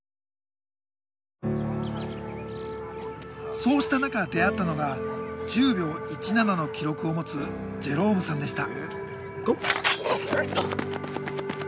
そうした中出会ったのが１０秒１７の記録を持つジェロームさんでした。